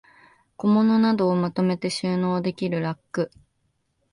小物などをまとめて収納できるラック